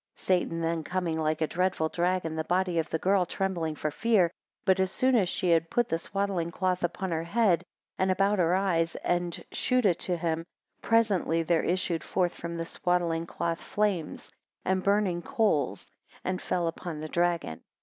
16 Satan then coming like a dreadful dragon, the body of the girl trembled for fear. 17 But as soon as she had put the swaddling cloth upon her head, and about her eyes, and chewed it to him, presently there issued forth from the swaddling cloth flames and burning coals, and fell upon the dragon.